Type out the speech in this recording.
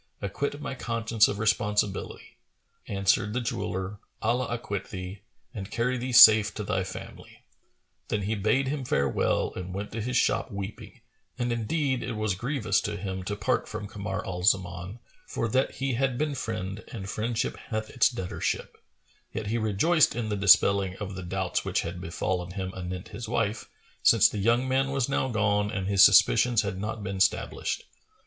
Acquit my conscience of responsibility.[FN#435]" Answered the jeweller, "Allah acquit thee! and carry thee safe to thy family!" Then he bade him farewell and went to his shop weeping, and indeed it was grievous to him to part from Kamar al Zaman, for that he had been friend and friendship hath its debtorship; yet he rejoiced in the dispelling of the doubts which had befallen him anent his wife, since the young man was now gone and his suspicions had not been stablished.